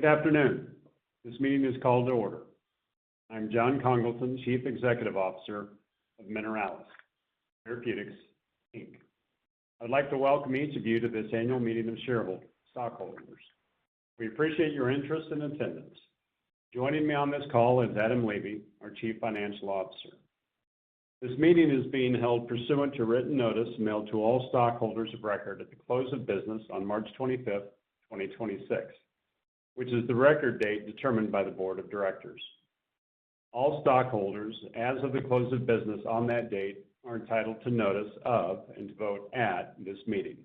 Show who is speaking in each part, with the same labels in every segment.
Speaker 1: Good afternoon. This meeting is called to order. I'm Jon Congleton, Chief Executive Officer of Mineralys Therapeutics, Inc. I'd like to welcome each of you to this annual meeting of shareholders. We appreciate your interest and attendance. Joining me on this call is Adam Levy, our Chief Financial Officer. This meeting is being held pursuant to written notice mailed to all stockholders of record at the close of business on March 25th, 2026, which is the record date determined by the board of directors. All stockholders as of the close of business on that date are entitled to notice of and to vote at this meeting.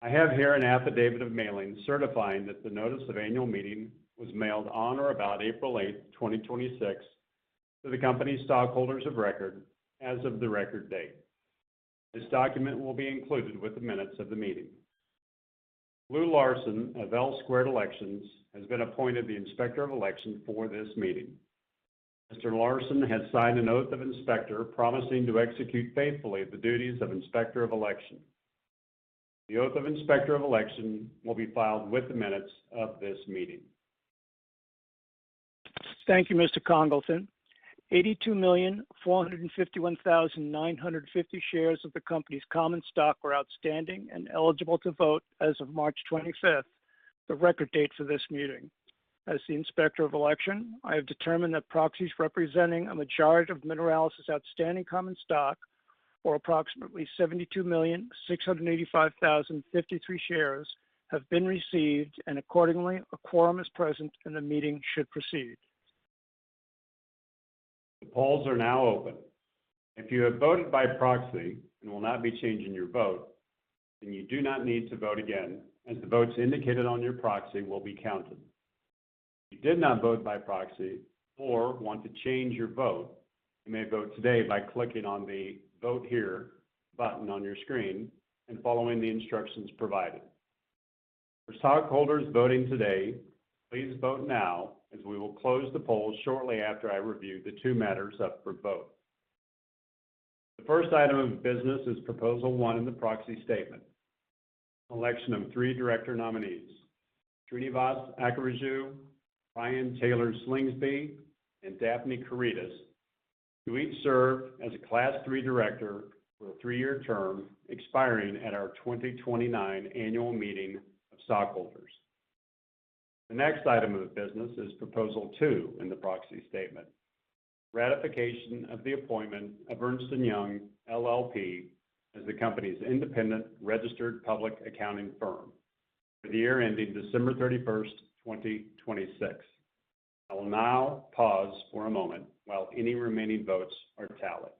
Speaker 1: I have here an affidavit of mailing certifying that the notice of annual meeting was mailed on or about April 8, 2026, to the company's stockholders of record as of the record date. This document will be included with the minutes of the meeting. Lou Larson of L-Squared Elections has been appointed the Inspector of Election for this meeting. Mr. Larson has signed an oath of Inspector promising to execute faithfully the duties of Inspector of Election. The oath of Inspector of Election will be filed with the minutes of this meeting.
Speaker 2: Thank you, Mr. Congleton. 82,451,950 shares of the company's common stock were outstanding and eligible to vote as of March 25th, the record date of this meeting. As the Inspector of Election, I have determined that proxies representing a majority of Mineralys' outstanding common stock, or approximately 72,685,053 shares, have been received, and accordingly, a quorum is present and the meeting should proceed.
Speaker 1: The polls are now open. If you have voted by proxy and will not be changing your vote, then you do not need to vote again, and the votes indicated on your proxy will be counted. If you did not vote by proxy or want to change your vote, you may vote today by clicking on the Vote Here button on your screen and following the instructions provided. For stockholders voting today, please vote now as we will close the polls shortly after I review the two matters up for vote. The first item of business is Proposal one in the proxy statement, election of three director nominees, Srinivas Akkaraju, Brian Taylor Slingsby, and Daphne Karydas, to each serve as a Class III director for a three-year term expiring at our 2029 annual meeting of stockholders. The next item of business is Proposal two in the proxy statement, ratification of the appointment of Ernst & Young LLP as the company's independent registered public accounting firm for the year ending December 31st, 2026. I will now pause for a moment while any remaining votes are tallied.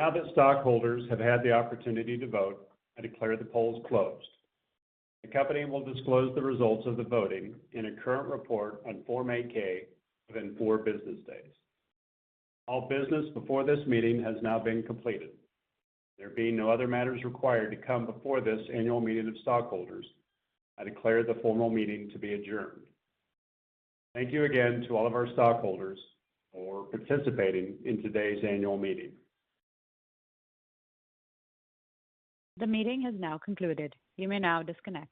Speaker 1: Now that stockholders have had the opportunity to vote, I declare the polls closed. The company will disclose the results of the voting in a current report on Form 8-K within four business days. All business before this meeting has now been completed. There being no other matters required to come before this annual meeting of stockholders, I declare the formal meeting to be adjourned. Thank you again to all of our stockholders for participating in today's annual meeting.
Speaker 3: The meeting has now concluded. You may now disconnect.